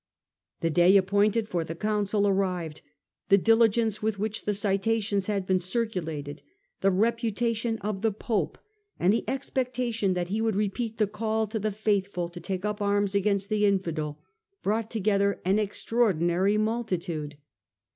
The day appointed for the council arrived; the diligence with which the citations had been circulated, the reputation of the pope, and the expectation that he would repeat the call to the faithful to take up arms against the infidelj brought together an extraordinary Digitized by VjOOQIC PONTIPiCATB OP UltBAN II. tb/ jjjjjj multitude.